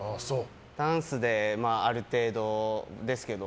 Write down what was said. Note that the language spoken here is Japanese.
ダンスである程度ですけど。